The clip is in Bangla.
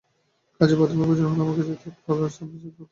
কাজেই বাথরুমের প্রয়োজন হলে আমাকে যেতে হয় একতলার সার্ভেন্টস বাথরুমে।